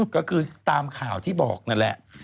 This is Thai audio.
ก็คือตามข่าวที่บอกนั่นแหละ